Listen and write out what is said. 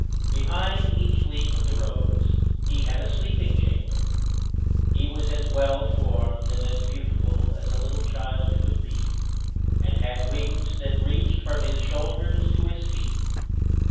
Behind each leaf of the rose he had a sleeping chamber. He was as well formed and as beautiful as a little child could be, and had wings that reached from his shoulders to his feet.